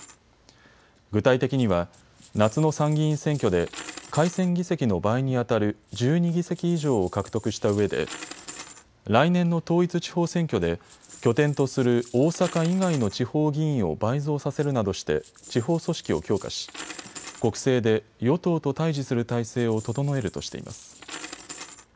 具体的には夏の参議院選挙で、改選議席の倍にあたる１２議席以上を獲得したうえで来年の統一地方選挙で拠点とする大阪以外の地方議員を倍増させるなどして地方組織を強化し国政で与党と対じする態勢を整えるとしています。